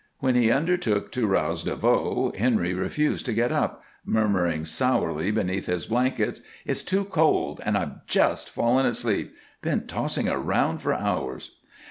When he undertook to rouse DeVoe, Henry refused to get up, murmuring sourly beneath his blankets: "It's too cold and I've just fallen asleep been tossing around for hours."